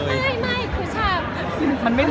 ถ้าต้องกินมาจิ